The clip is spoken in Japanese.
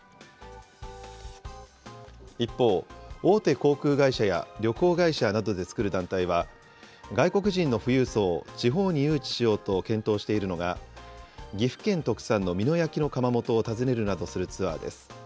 一方、大手航空会社や旅行会社などで作る団体は、外国人の富裕層を地方に誘致しようと検討しているのが、岐阜県特産の美濃焼の窯元を訪ねるなどするツアーです。